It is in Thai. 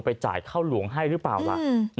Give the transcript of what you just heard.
จ่ายเข้าหลวงให้หรือเปล่าล่ะ